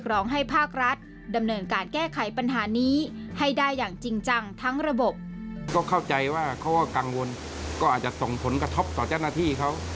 ก็เข้าใจว่าเขาก็กังวลก็อาจจะส่งผลกระทบต่อแจ้งหน้าที่เขา